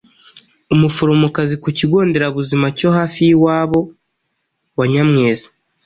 Umuforomokazi ku Kigo Nderabuzima cyo hafi y’iwabo wa Nyamwezi.